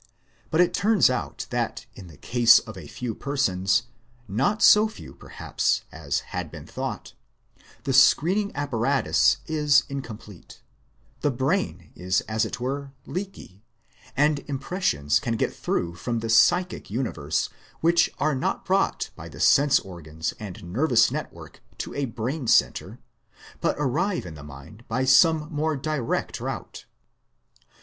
But it turns out that in the case of a few persons not so few perhaps as had been thought the screening apparatus is incomplete, the brain is as it were leaky, and impressions can get through from the psychic universe which are not brought by the sense organs and nervous network 594 The Outline of Science to a brain centre, but arrive in the mind by some more direct route.